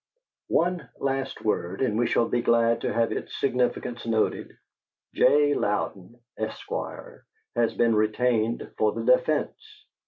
"One last word, and we shall be glad to have its significance noted: J. Louden, Esq., has been retained for the defence!